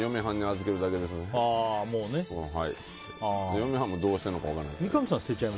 嫁はんもどうしてるのか分からないですけど。